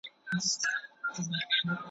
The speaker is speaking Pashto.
هغې په خندا خپل نوم یاد کړ.